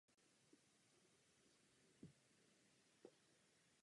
Vstoupil do Československé strany lidové a zapojil se do Studentského sociálního sdružení.